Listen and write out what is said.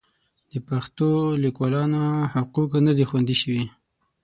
د پښتو لیکوالانو حقوق نه دي خوندي شوي.